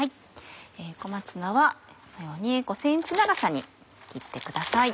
小松菜はこのように５ｃｍ長さに切ってください。